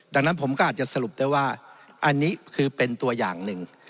ดังนั้นผมก็อาจจะสรุปได้ว่าอันนี้คือเป็นตัวอย่างหนึ่ง